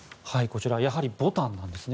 やはりボタンなんですね。